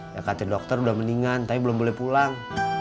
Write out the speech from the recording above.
ya kata dokter udah mendingan tapi belum boleh pulang